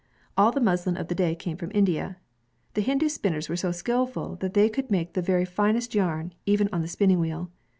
All the muslin of the day came from India. The Hindu spinners were so skillful that they could make the very finest yam, even on the spinning wheel.